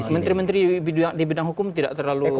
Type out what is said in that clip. menteri menteri di bidang hukum tidak terlalu